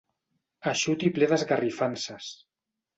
Eixut i ple d'esgarrifances.